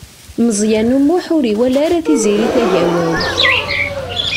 Meẓyan U Muḥ ur iwala ara Tiziri Tagawawt.